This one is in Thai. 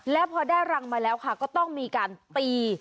แล้วพอได้รังมาแล้วค่ะก็ต้องมีการตี